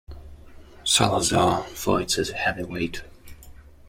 Salazar, fights as a Heavyweight.